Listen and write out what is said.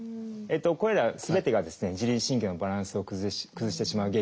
これらすべてが自律神経のバランスを崩してしまう原因になります。